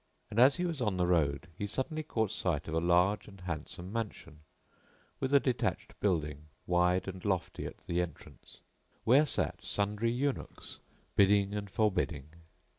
As he was on the road he suddenly caught sight of a large and handsome mansion, with a detached building wide and lofty at the entrance, where sat sundry eunuchs bidding and forbidding.